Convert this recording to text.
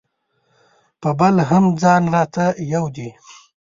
په بل هم ځان راته یو دی.